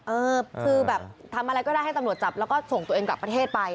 เออคือแบบทำอะไรก็ได้ให้ตำรวจจับแล้วก็ส่งตัวเองกลับประเทศไป